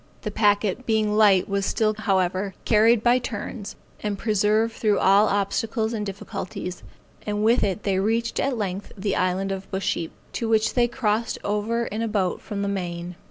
The packet being light was still, however, carried by turns, and preserved through all obstacles and difficulties; and with it they reached at length the island of Busheap, to which they crossed over in a boat from the main.